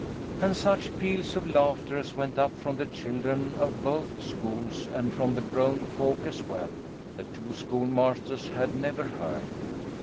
And such peals of laughter as went up from the children of both schools and from the grown folk as well, the two schoolmasters had never heard.